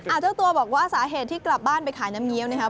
เจ้าตัวบอกว่าสาเหตุที่กลับบ้านไปขายน้ำเงี้ยวนะครับ